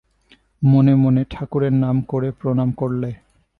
মনে মনে ঠাকুরের নাম করে প্রণাম করলে।